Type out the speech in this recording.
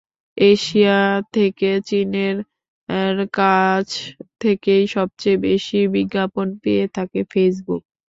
Asia থেকে চীনের কাছ থেকেই সবচেয়ে বেশি বিজ্ঞাপন পেয়ে থাকে ফেসবুক।